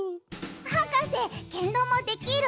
はかせけんだまできる？